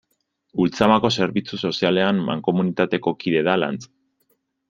Ultzamako Zerbitzu Sozialen Mankomunitateko kide da Lantz.